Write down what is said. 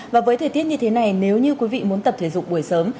và với thời tiết như thế này nếu như quý vị muốn tập thể dục buổi sớm